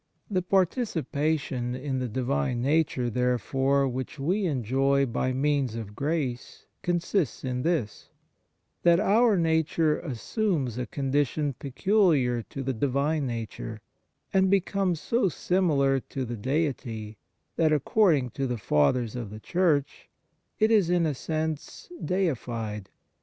The participation in the Divine Nature, therefore, which we enjoy by means of grace consists in this, that our nature assumes a condition peculiar to the Divine Nature, and becomes so similar to the Deity that, according to the Fathers of the Church, it is in a sense deified.